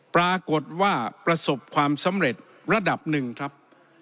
ปรากฏว่าประสบความสำเร็จระดับหนึ่งครับ